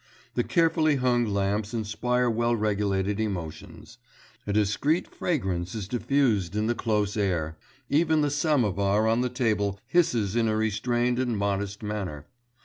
The carefully hung lamps inspire well regulated emotions; a discreet fragrance is diffused in the close air; even the samovar on the table hisses in a restrained and modest manner.